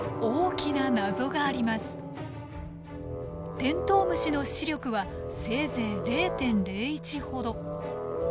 テントウムシの視力はせいぜい０．０１ほど。